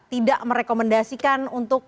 tidak merekomendasikan untuk